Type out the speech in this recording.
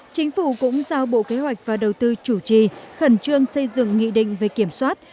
chính phủ cũng giao bộ kế hoạch và đầu tư chủ trì khẩn trương xây dựng nghị định về kiểm soát